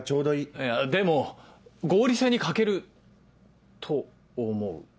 いやでも合理性に欠けると思う。